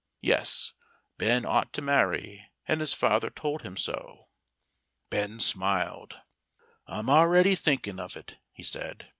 Yes, Ben ought to marry, and his father told him so. Ben smiled. "I'm already thinking of it," he said.